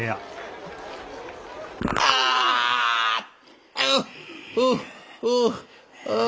ああ！